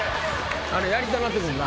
あれやりたなって来るな。